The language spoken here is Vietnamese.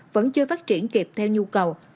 vẫn chưa phát triển kịp theo nhu cầu